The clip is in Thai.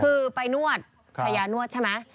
คือไปนวดภรรยานวดใช่ไหม